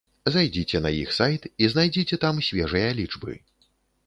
Зайдзіце на іх сайт і знайдзіце там свежыя лічбы.